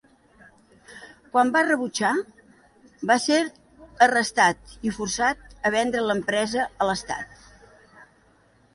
Quan va rebutjar, va ser arrestat i forçat a vendre l'empresa a l'estat.